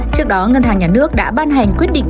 trước đó ngân hàng nhà nước đã ban hành quyết định